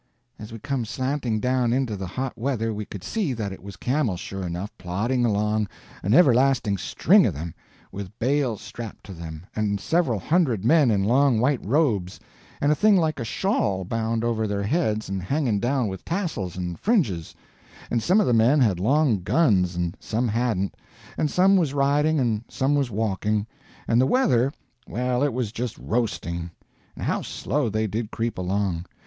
As we come slanting down into the hot weather, we could see that it was camels, sure enough, plodding along, an everlasting string of them, with bales strapped to them, and several hundred men in long white robes, and a thing like a shawl bound over their heads and hanging down with tassels and fringes; and some of the men had long guns and some hadn't, and some was riding and some was walking. And the weather—well, it was just roasting. And how slow they did creep along!